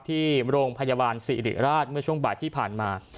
ที่โรงพยาบาลสิริราชเมื่อช่วงบ่ายที่ผ่านมา